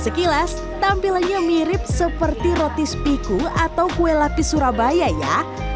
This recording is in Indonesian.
sekilas tampilannya mirip seperti roti spiku atau kue lapis surabaya ya